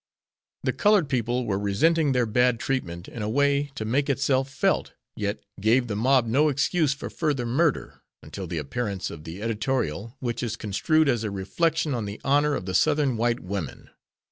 The colored people were resenting their bad treatment in a way to make itself felt, yet gave the mob no excuse for further murder, until the appearance of the editorial which is construed as a reflection on the "honor" of the Southern white women.